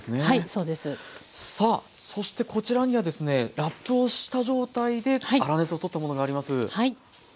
はいそうです。さあそしてこちらにはですねラップをした状態で粗熱を取ったものがあります。